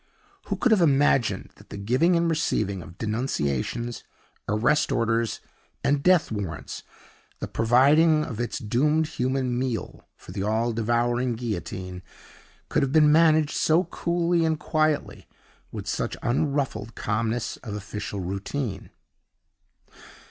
Who could have imagined that the giving and receiving of Denunciations, Arrest orders, and Death warrants the providing of its doomed human meal for the all devouring guillotine could have been managed so coolly and quietly, with such unruffled calmness of official routine?